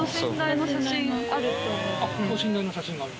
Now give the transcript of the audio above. あっ等身大の写真がある？